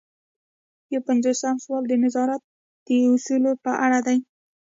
یو پنځوسم سوال د نظارت د اصولو په اړه دی.